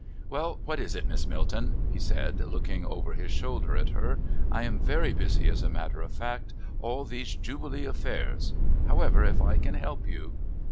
"Well, what is it, Miss Milton?" he said, looking over his shoulder at her. "I am very busy, as a matter of fact. All these Jubilee affairs however, if I can help you."